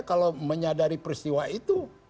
kalau menyadari peristiwa itu